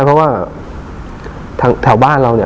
เพราะว่าแถวบ้านเราเนี่ย